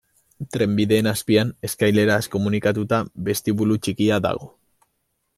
Trenbideen azpian, eskaileraz komunikatuta, bestibulu txikia dago.